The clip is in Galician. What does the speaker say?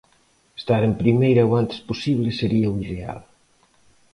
Estar en Primeira o antes posible sería o ideal.